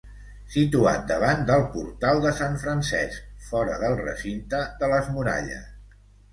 Situat davant del portal de sant Francesc fora del recinte de les muralles.